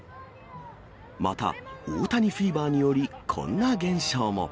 また、オオタニフィーバーにより、こんな現象も。